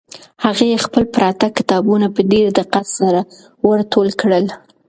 هغې خپل پراته کتابونه په ډېر دقت سره ور ټول کړل.